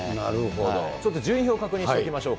ちょっと順位表、確認しておきましょう。